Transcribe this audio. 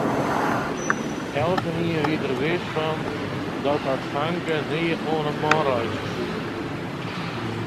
Elkenien wie der wis fan dat dat famke nea oan 'e man reitsje soe.